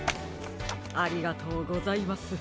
ありがとうございます。